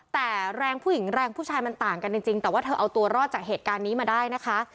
แต่แรงผู้หญิงแรงผู้ชายมันต่างกันจริงแต่ว่าเธอเอาตัวรอดจากเหตุการณ์นี้มาได้นะคะ